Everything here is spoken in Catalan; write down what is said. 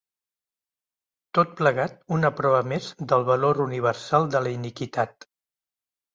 Tot plegat, una prova més del valor universal de la iniquitat.